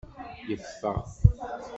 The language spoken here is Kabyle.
Yeffeɣ.